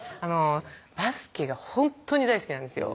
バスケがほんとに大好きなんですよ